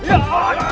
bila putri tahu